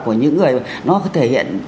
của những người nó có thể hiện